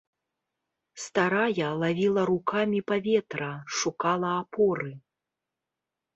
Старая лавіла рукамі паветра, шукала апоры.